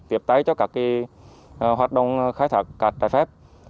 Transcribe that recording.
tiếp tái cho các hoạt động khai thác cát trải phép